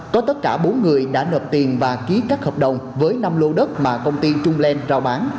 có tất cả bốn người đã nộp tiền và ký các hợp đồng với năm lô đất mà công ty trung len rao bán